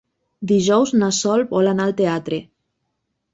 Dijous na Sol vol anar al teatre.